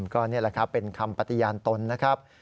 ก็นี่แหละครับเป็นคำปฏิญาณตนนะครับ